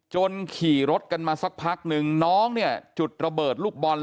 ขี่รถกันมาสักพักนึงน้องเนี่ยจุดระเบิดลูกบอล